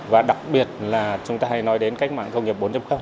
và đặc biệt là chúng ta hay nói đến cách mạng công nghiệp bốn